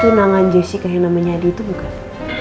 tunangan jessica yang namanya adi itu bukan